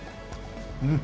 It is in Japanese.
うん。